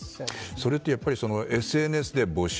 それはＳＮＳで募集。